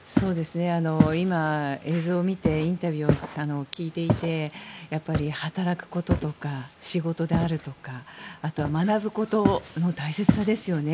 今、映像を見てインタビューを聞いていて働くこととか仕事であるとかあとは学ぶことの大切さですよね。